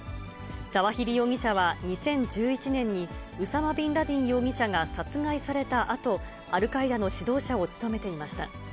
ザワヒリ容疑者は２０１１年に、ウサマ・ビンラディン容疑者が殺害されたあと、アルカイダの指導者を務めていました。